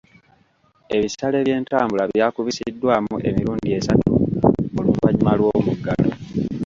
Ebisale by'entambula byakubisiddwamu emirundi esatu oluvannyuma lw'omuggalo.